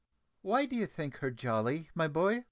"Why do you think her jolly, my boy?"